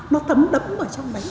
nó thấm đẫm ở trong đấy